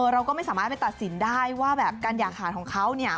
เราก็ไม่สามารถไปตัดสินได้ว่าแบบการอยากขาดของเขาเนี่ย